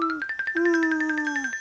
うん！